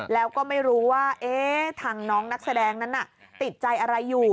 แล้วก็ไม่รู้ว่าทางน้องนักแสดงนั้นติดใจอะไรอยู่